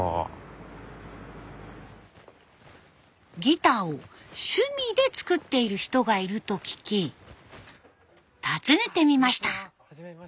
ギターを趣味で作っている人がいると聞き訪ねてみました。